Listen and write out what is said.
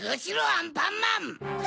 アンパンマン！